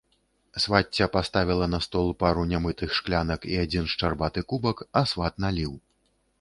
Свацця паставіла на стол пару нямытых шклянак і адзін шчарбаты кубак, а сват наліў.